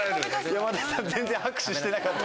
山田さん全然拍手してなかった。